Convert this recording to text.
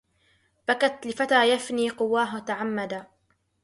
بكت لفتى يفني قواه تعمدا